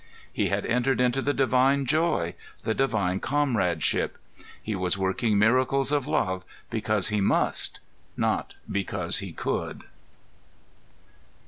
He had entered into the divine joy, the divine Comradeship. ✠ He was working miracles of love because he must, not because he could.